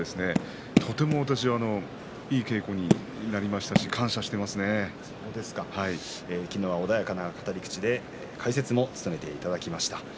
とてもいい稽古になりましたし昨日は穏やかな語り口で解説も務めていただきました。